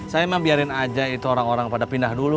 saya emang biarin aja itu orang orang pada pindah dulu